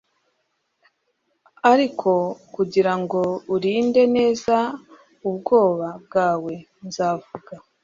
Ariko kugirango urinde neza ubwoba bwawe nzavuga